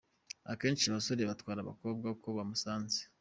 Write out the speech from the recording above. Akenshi abasore batwara umukobwa uko bamusanze.